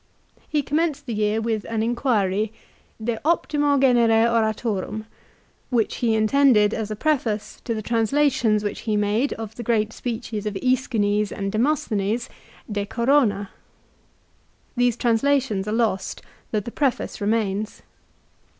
He commenced the year with an inquiry, "De optimo genere oratorum," which he intended as a preface to the translations which he made of the great speeches of ^Eschines and De mosthenes " De Corona." These translations are lost, though the preface remains.